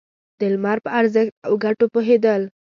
د لمر په ارزښت او گټو پوهېدل.